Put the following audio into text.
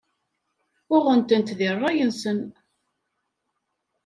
Uɣen-tent di rray-nsen.